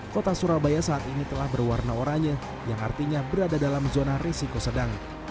kota surabaya saat ini telah berwarna oranye yang artinya berada dalam zona resiko sedang